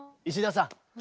石田さん！